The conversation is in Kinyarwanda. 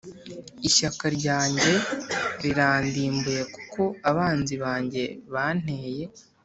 ishyaka ryanjye rirandimbuye kuko abanzi banjye banteye